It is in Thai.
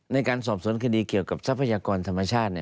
ในการสอบสวนคดีเกี่ยวกับทรัพยากรธรรมชาติ